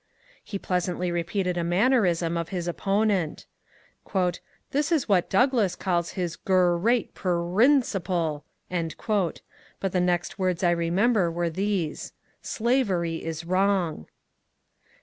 He pleasantly repeated a mannerism of his opponent, —'^ This is what Douglas calls his gur reat perrinciple ;" but the next words I remember were these : "Slavery is wrong!